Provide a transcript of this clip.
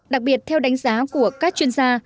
đặc biệt theo đánh giá của các chuyên gia